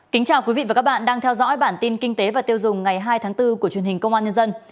kính chào quý vị và các bạn đang theo dõi bản tin kinh tế và tiêu dùng ngày hai tháng bốn của truyền hình công an nhân dân